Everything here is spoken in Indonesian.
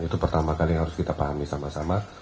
itu pertama kali yang harus kita pahami sama sama